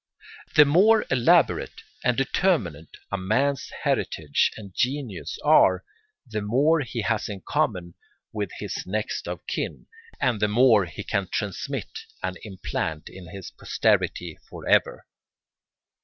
The more elaborate and determinate a man's heritage and genius are, the more he has in common with his next of kin, and the more he can transmit and implant in his posterity for ever.